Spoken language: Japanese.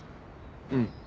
うん。